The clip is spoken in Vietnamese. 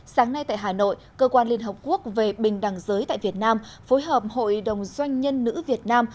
sáng nay tại hà nội cơ quan liên hợp quốc về bình đẳng giới tại việt nam phối hợp hội đồng doanh nhân nữ việt nam